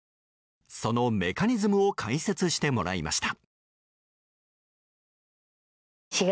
そのメカニズムを解説してもらいました。